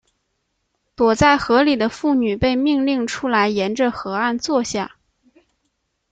躲在河里的妇女被命令出来沿着河岸坐下。